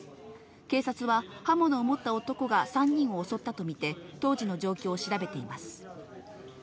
警察は刃物を持った男が３人を襲ったと見て、当時の状況を調べています。